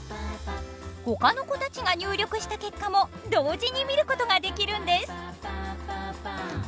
ほかの子たちが入力した結果も同時に見ることができるんです。